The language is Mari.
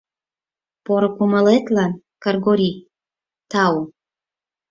Поро кумылетлан, Кыргорий, тау.